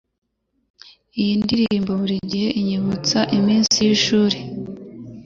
Iyi ndirimbo burigihe inyibutsa iminsi yishuri.